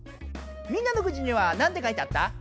みんなのくじにはなんて書いてあった？